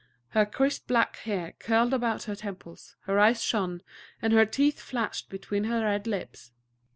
Her crisp black hair curled about her temples, her eyes shone, and her teeth flashed between her red lips.